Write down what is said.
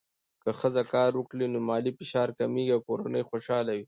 که ښځه کار وکړي، نو مالي فشار کمېږي او کورنۍ خوشحاله وي.